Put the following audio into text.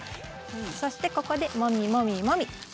そしてここでもみもみもみ。